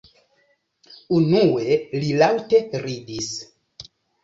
Unue, li laŭte ridis.